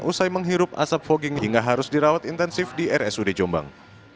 usai menghirup asap fogging hingga harus dirawat intensif di rsud jombang